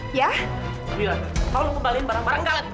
dila kamu kembaliin barang barang kalian